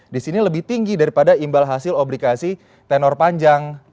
di sini lebih tinggi daripada imbal hasil oblikasi tenor panjang